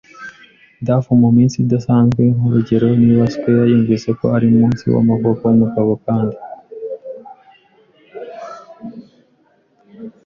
duff muminsi idasanzwe, nkurugero, niba squire yumvise ko ari umunsi wamavuko wumugabo, kandi